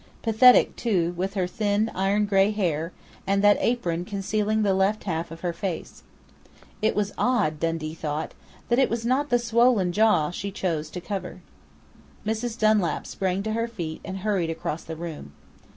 Pathetic, too, with her thin, iron grey hair, and that apron concealing the left half of her face. It was odd, Dundee thought, that it was not the swollen jaw she chose to cover. Mrs. Dunlap sprang to her feet and hurried across the room.